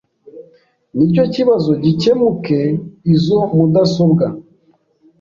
n’icyo kibazo gikemuke, izo mudasobwa